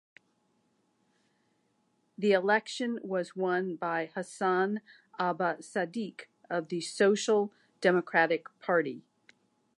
The election was won by Hassan Abba Sadiq of the Social Democratic Party.